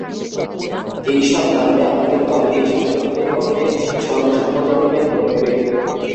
এই সব কারণে আমাদের দল এই সংশোধনীর পক্ষে সর্বসম্মতিক্রমে ভোট দেবে।